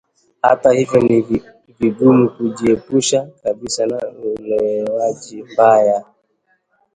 Hata hivyo, ni vigumu kujiepusha kabisa na uelewaji mbaya